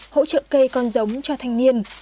hỗ trợ cây con giống cho thanh niên